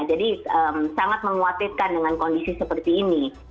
jadi sangat menguatitkan dengan kondisi seperti ini